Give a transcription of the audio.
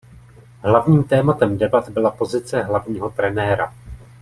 Hlavním tématem debat byla pozice hlavního trenéra.